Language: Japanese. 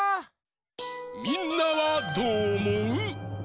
みんなはどうおもう？